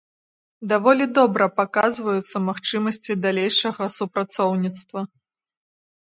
Даволі добра паказваюцца магчымасці далейшага супрацоўніцтва.